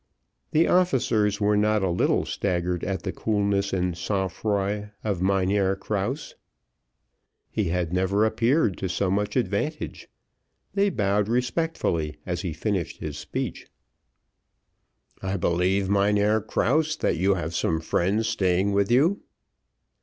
The officers were not a little staggered at the coolness and sang froid of Mynheer Krause, he had never appeared to so much advantage; they bowed respectfully as he finished his speech. "I believe, Mynheer Krause, that you have some friends staying with you?"